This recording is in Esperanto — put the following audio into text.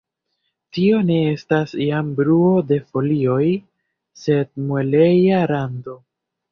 Tio ne estas jam bruo de folioj, sed mueleja rado.